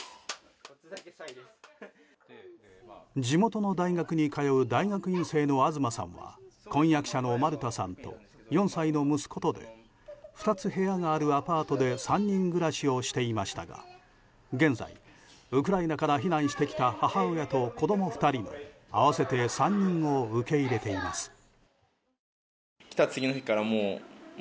地元の大学に通う大学院生の東さんは婚約者のマルタさんと４歳の息子とで２つ部屋があるアパートで３人暮らしをしていましたが現在、ウクライナから避難してきた母親と子供２人の合わせて３人を受け入れています。